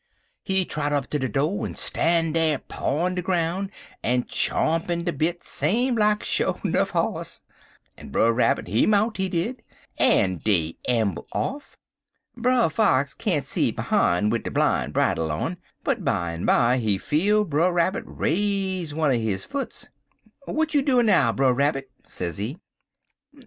He trot up ter de do' en stan' dar pawin' de ground en chompin' de bit same like sho 'nuff hoss, en Brer Rabbit he mount, he did, en dey amble off. Brer Fox can't see behime wid de bline bridle on, but bimeby he feel Brer Rabbit raise one er his foots. "'W'at you doin' now, Brer Rabbit?' sezee.